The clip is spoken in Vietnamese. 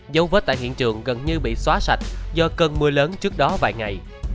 dấu vết tại hiện trường gần như bị xóa sạch do cơn mưa lớn trước đó vài ngày